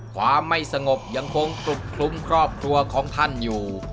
ความไม่สงบยังคงกรุบคลุ้มครอบครัวของท่านอยู่